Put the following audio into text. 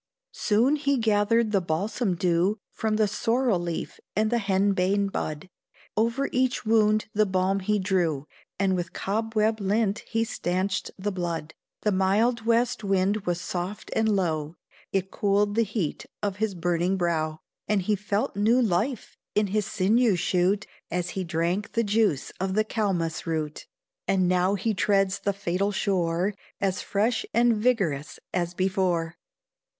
Soon he gathered the balsam dew From the sorrel leaf and the henbane bud; Over each wound the balm he drew, And with cobweb lint he stanched the blood. The mild west wind was soft and low, It cooled the heat of his burning brow, And he felt new life in his sinews shoot, As he drank the juice of the cal'mus root; And now he treads the fatal shore, As fresh and vigorous as before.